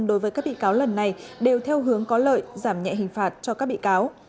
đối với các bị cáo lần này đều theo hướng có lợi giảm nhẹ hình phạt cho các bị cáo